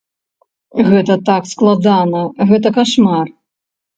Гэта так складана, гэта кашмар!